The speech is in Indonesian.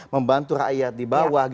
membantu rakyat di bawah